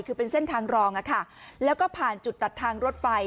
คือเป็นเส้นทางรองอะค่ะแล้วก็ผ่านจุดตัดทางรถไฟ